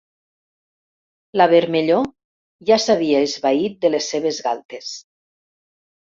La vermellor ja s'havia esvaït de les seves galtes.